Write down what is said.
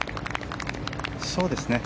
そうですね。